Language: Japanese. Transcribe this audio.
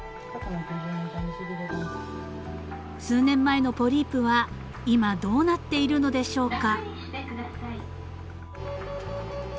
［数年前のポリープは今どうなっているのでしょうか？］